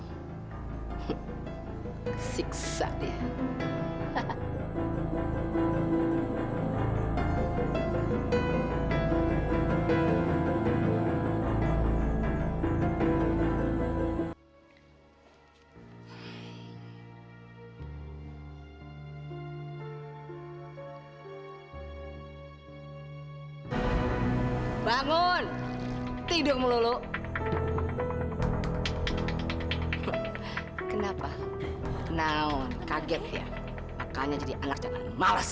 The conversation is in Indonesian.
hai bangun tidur melulu kenapa kenal kaget ya makanya jadi anak jangan males